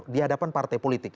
di hadapan partai politiknya